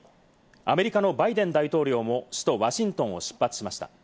アメリカのバイデン大統領も首都ワシントンを出発しました。